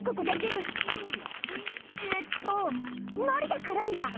えっとのりでくるんじゃう。